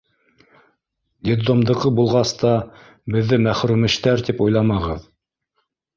— Детдомдыҡы булғас та беҙҙе мәхрүмештәр тип уйламағыҙ!